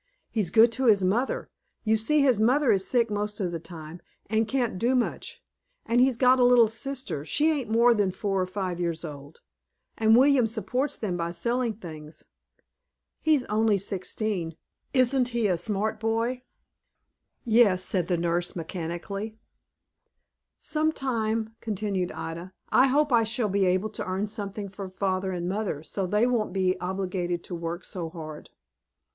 "He's good to his mother. You see his mother is sick most of the time, and can't do much; and he's got a little sister, she ain't more than four or five years old and William supports them by selling things. He's only sixteen; isn't he a smart boy?" "Yes;" said the nurse, mechanically. "Some time," continued Ida, "I hope I shall be able to earn something for father and mother, so they won't be obliged to work so hard."